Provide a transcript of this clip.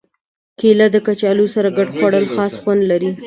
کېله د کچالو سره ګډ خوړل خاص خوند لري.